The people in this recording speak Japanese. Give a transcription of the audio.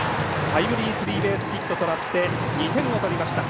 タイムリースリーベースヒットとなって２点を取りました。